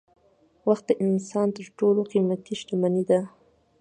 وخت د انسان تر ټولو قيمتي شتمني ده.